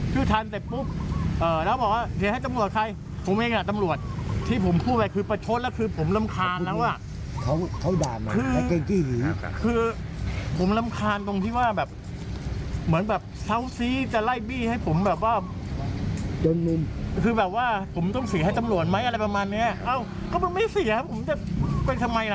ชื่ออะไรชื่อทันผมบอกหมดนั้นผมบอกความจริง